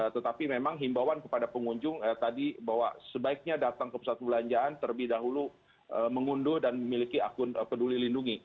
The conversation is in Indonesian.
tetapi memang himbawan kepada pengunjung tadi bahwa sebaiknya datang ke pusat perbelanjaan terlebih dahulu mengunduh dan memiliki akun peduli lindungi